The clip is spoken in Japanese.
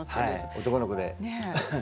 男の子で。